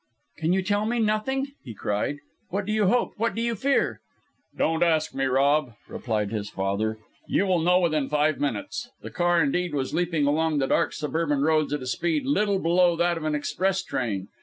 "Can you tell me nothing?" he cried. "What do you hope? What do you fear?" "Don't ask me, Rob," replied his father; "you will know within five minutes." The car indeed was leaping along the dark suburban roads at a speed little below that of an express train.